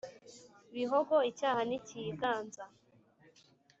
bihogo icyaha nikiyiganza